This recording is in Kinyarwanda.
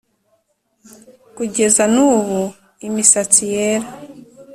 kugeza n ' ubu imisatsi yera